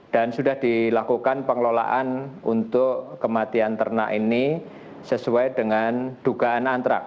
dan sudah dilakukan pengelolaan untuk kematian ternak ini sesuai dengan dugaan antrak